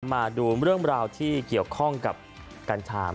มาดูเรื่องราวที่เกี่ยวข้องกับกัญชา